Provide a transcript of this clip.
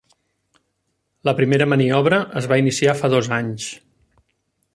La primera maniobra es va iniciar fa dos anys.